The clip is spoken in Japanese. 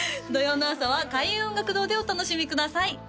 土曜の朝は開運音楽堂でお楽しみください